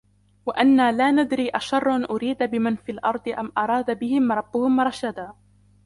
وأنا لا ندري أشر أريد بمن في الأرض أم أراد بهم ربهم رشدا